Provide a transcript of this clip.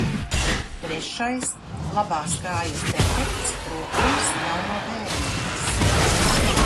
Trešais – labās kājas defekts, kroplums jau no bērnības.